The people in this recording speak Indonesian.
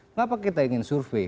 kenapa kita ingin survei